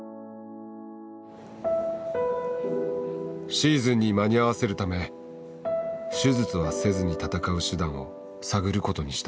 シーズンに間に合わせるため手術はせずに戦う手段を探ることにした。